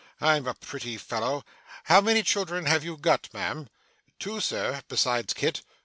I'm a pretty fellow! How many children have you got, ma'am?' 'Two, sir, besides Kit.